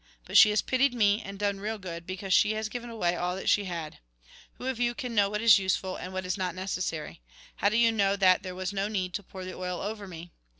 But she has pitied me, and done real good, because she has given away all that she had. Who of you can know what is useful, and what is not necessary ? How do you know that there was no need to pour the oil over me